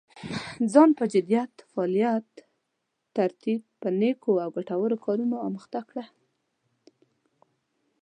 ځان په جديت، فعاليتا، ترتيب په نيکو او ګټورو کارونو اموخته کړه.